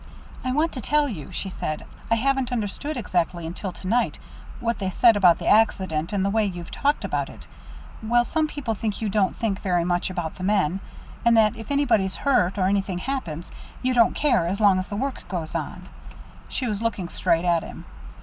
"I want to tell you," she said, "I haven't understood exactly until to night what they said about the accident and the way you've talked about it well, some people think you don't think very much about the men, and that if anybody's hurt, or anything happens, you don't care as long as the work goes on." She was looking straight at him.